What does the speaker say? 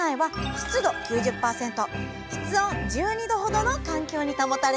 室温１２℃ほどの環境に保たれています